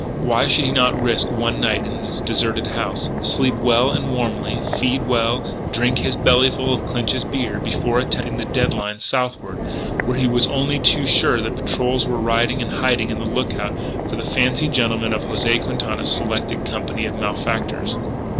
Why should he not risk one night in this deserted house, sleep well and warmly, feed well, drink his bellyfull of Clinch's beer, before attempting the dead line southward, where he was only too sure that patrols were riding and hiding on the lookout for the fancy gentlemen of José Quintana's selected company of malefactors?